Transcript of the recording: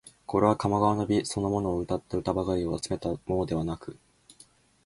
これは鴨川の美そのものをうたった歌ばかりを集めたものではなく、